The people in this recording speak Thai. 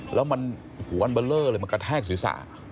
แล้วมันหัวอันเบลอเลยมันกระแทกสวยสา